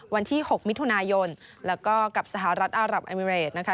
วันที่๖มิถุนายนแล้วก็กับสหรัฐอารับเอมิเรดนะคะ